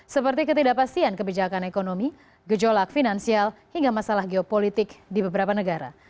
seperti ketidakpastian kebijakan ekonomi gejolak finansial hingga masalah geopolitik di beberapa negara